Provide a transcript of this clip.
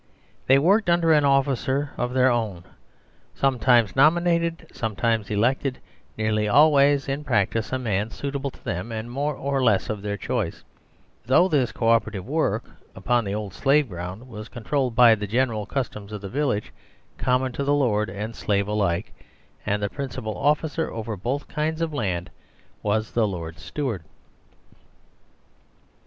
They worked under an officer of their own, sometimes nominated, sometimes elected: near ly always, in practice, a man suitable to them and more or less of their choice ; though this co operative work upon the old Slave ground was controlled by the general customs of the village, common to lord and 45 THE SERVILE STATE slave alike, and the principal officer over both kinds of land was the Lord's Steward.